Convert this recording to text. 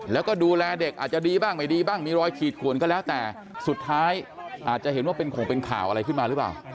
แล้วก็ดูแลเด็กอาจจะดีบ้างไม่ดีบ้างมีรอยขีดขวนก็แล้วแต่สุดท้ายอาจจะเห็นว่าเป็นข่งเป็นข่าวอะไรขึ้นมาหรือเปล่า